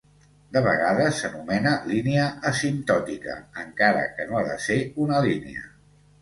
De vegades s'anomena línia asimptòtica, encara que no ha de ser una línia.